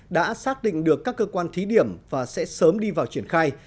đã xác định được các cơ quan thí điểm và sẽ sớm đi vào triển khai